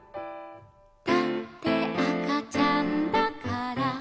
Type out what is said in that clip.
「だってあかちゃんだから」